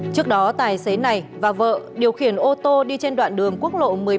trước đó tài xế này và vợ điều khiển ô tô đi trên đoạn đường quốc lộ một mươi bảy